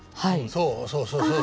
そうそうそうそう。